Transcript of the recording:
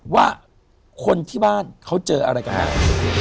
ว่าคนที่บ้านเขาเจออะไรกันบ้าง